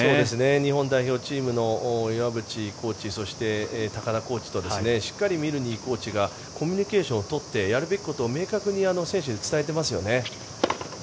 日本代表チームの岩渕コーチそして、高田コーチとしっかりミルヌイコーチがコミュニケーションを取ってやるべきことを明確に選手に伝えていますよね。